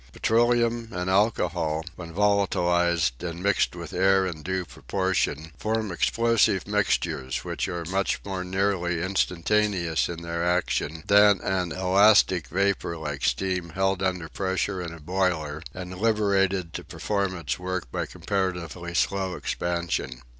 Petroleum and alcohol, when volatilised and mixed with air in due proportion, form explosive mixtures which are much more nearly instantaneous in their action than an elastic vapour like steam held under pressure in a boiler, and liberated to perform its work by comparatively slow expansion.